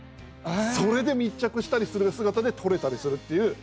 それで、密着したりする姿で撮れたりするっていう。